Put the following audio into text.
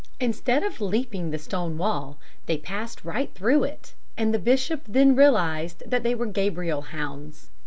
Instead of leaping the stone wall, they passed right through it, and the bishop then realized that they were Gabriel Hounds.